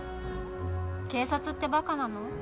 警察ってバカなの？